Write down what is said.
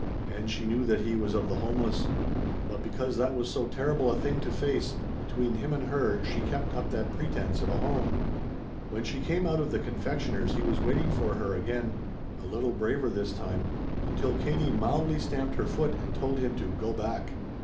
And she knew that he was of the homeless. But because that was so terrible a thing to face, between him and her she kept up that pretense of a home. When she came out from the confectioner's he was waiting for her again, a little braver this time, until Katie mildly stamped her foot and told him to "Go back!"